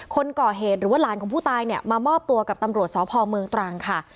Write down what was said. คนก่อเหตุหรือว่าหลานของผู้ตายเนี่ยมามอบตัวกับตำรวจสพเมืองตรังค่ะ